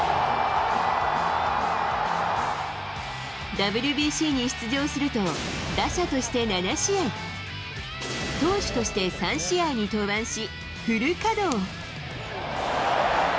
ＷＢＣに出場すると、打者として７試合、投手として３試合に登板し、フル稼働。